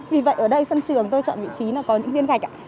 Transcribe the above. vì vậy ở đây sân trường tôi chọn vị trí là có những viên gạch